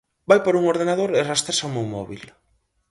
Vai por un ordenador e rastrexa o meu móbil.